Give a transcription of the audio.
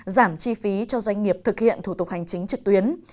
giảm chi phí cho doanh nghiệp thực hiện thủ tục hành chính trực tuyến